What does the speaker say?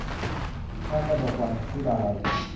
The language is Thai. นางกนกวรรณ วิลาวัลย์